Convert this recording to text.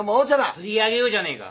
釣り上げようじゃねえか。